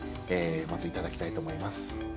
まずいただきたいと思います。